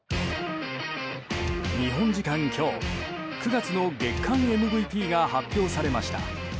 日本時間今日、９月の月間ＭＶＰが発表されました。